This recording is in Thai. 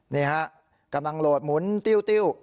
นี่ฮะกำลังโหลดหมุนติ้ว